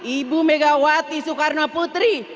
ibu megawati soekarno putri